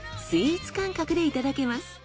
スイーツ感覚でいただけます。